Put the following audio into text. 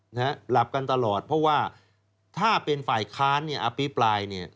หลับกันตลอดเพราะว่าถ้าเป็นฝ่ายค้านอภิปราย